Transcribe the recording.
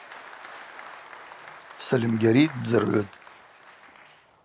Сальымгьари ддзыргӏвытӏ.